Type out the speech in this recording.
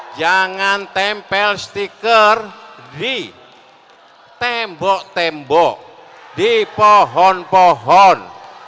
jangan tempel stiker di tembok tembok di pohon pohon